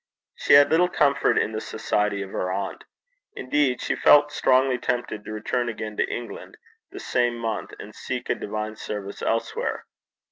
She had little comfort in the society of her aunt. Indeed, she felt strongly tempted to return again to England the same month, and seek a divine service elsewhere.